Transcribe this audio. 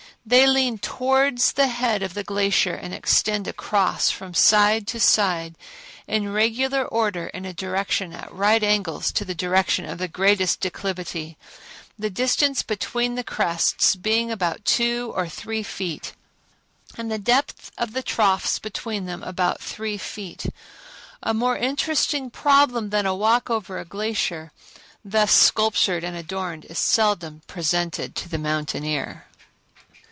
They lean towards the head of the glacier and extend across from side to side in regular order in a direction at right angles to the direction of greatest declivity, the distance between the crests being about two or three feet, and the depth of the troughs between them about three feet. A more interesting problem than a walk over a glacier thus sculptured and adorned is seldom presented to the mountaineer.